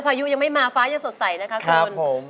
พายุยังไม่มาฟ้ายังสดใสนะคะคุณ